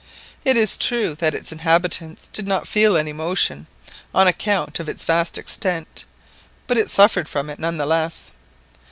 It is true that its inhabitants did not feel any motion, on account of its vast extent, but it suffered from it none the less.